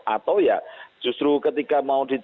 atau ya justru ketika mau ditetapkan tersangka itu cepat aja